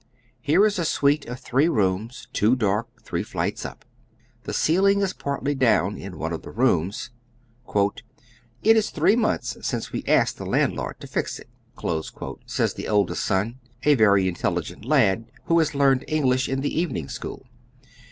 Here is a snito of three rooms, two dark, three flights up. The ceiling is partly down in one of the rooms. " It is three months since we asked the landlord to fix it," says the oldest son, a very intelligent lad who has learned English in the evening school.